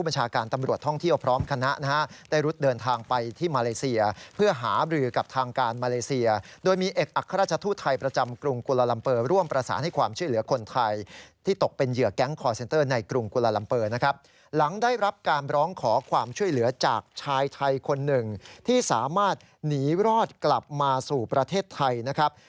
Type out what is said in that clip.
ชายไทยคนหนึ่งที่สามารถหนีรอดกลับมาสู่ประเทศไทยนะครับ